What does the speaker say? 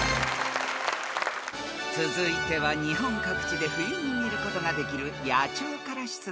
［続いては日本各地で冬に見ることができる野鳥から出題］